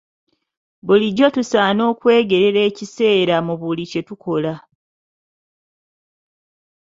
Bulijjo tusaana okwegerera ekiseera mu buli kye tukola.